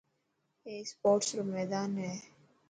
اي اسپورٽس رو ميدان هي.